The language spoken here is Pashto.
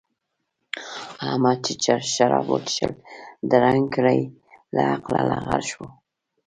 احمد چې شراب وڅښل؛ درنګ ګړۍ له عقله لغړ شو.